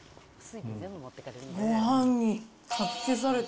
ごはんにかき消された。